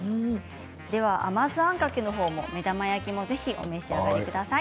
甘酢あんかけの目玉焼きもぜひ、お召し上がりください。